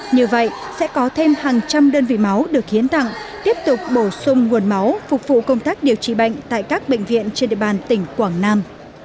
như vậy sẽ có thêm hàng trăm đơn vị máu được hiến tặng tiếp tục bổ sung nguồn máu phục vụ công tác điều trị bệnh tại các bệnh viện trên địa bàn tỉnh quảng nam